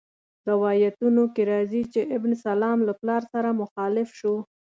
روایتونو کې راځي چې ابسلام له پلار سره مخالف شو.